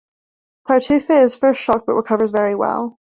Tartuffe is at first shocked but recovers very well.